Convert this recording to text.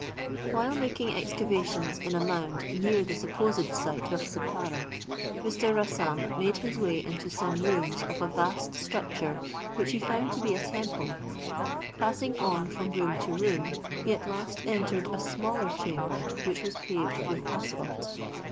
While making excavations in a mound near the supposed site of Sippara, Mr. Rassam made his way into some rooms of a vast structure which he found to be a temple. Passing on from room to room, he at last entered a smaller chamber which was paved with asphalt.